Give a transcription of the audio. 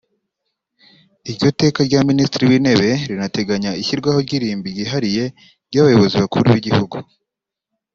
Iryo teka rya Minisitiri w’Intebe rinateganya ishyirwaho ry’irimbi ryihariye ry’Abayobozi bakuru b’igihugu